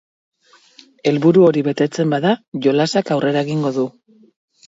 Helburu hori betetzen bada, jolasak aurrera egingo du.